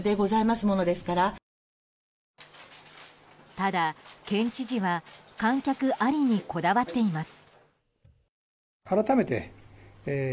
ただ、県知事は観客ありにこだわっています。